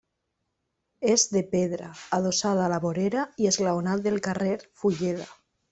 És de pedra, adossada a la vorera i esglaonat del carrer Fulleda.